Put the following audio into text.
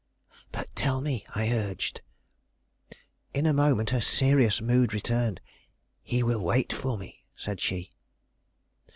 "But tell me," I urged. In a moment her serious mood returned. "He will wait for me," said she.